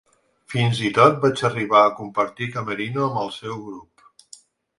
Fins i tot vaig arribar a compartir camerino amb el seu grup.